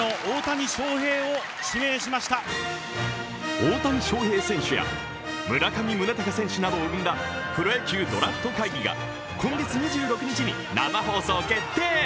大谷翔平選手や村上宗隆選手を生んだプロ野球ドラフト会議が今月２６日に生放送決定。